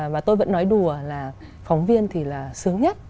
và tôi vẫn nói đùa là phóng viên thì là sướng nhất